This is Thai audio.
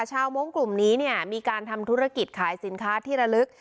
มงค์กลุ่มนี้เนี่ยมีการทำธุรกิจขายสินค้าที่ระลึก